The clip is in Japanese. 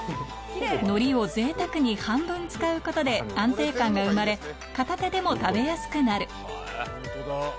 のりをぜいたくに半分使うことで安定感が生まれ片手でも食べやすくなる本当だ。